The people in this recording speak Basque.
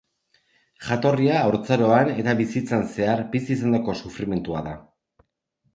Jatorria haurtzaroan eta bizitzan zehar bizi izandako sufrimendua da.